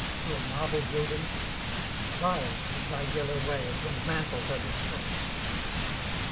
through a marble wilderness? Rise, with thy yellow waves, and mantle her distress!